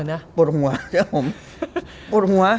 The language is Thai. ปลดหัวปลดหัวเจอผมปลดหัว